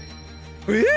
えっ！？